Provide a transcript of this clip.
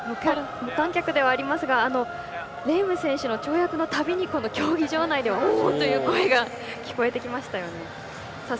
無観客ではありますがレーム選手の跳躍のたびに競技場内では「おー」いう声が聞こえてきましたよね。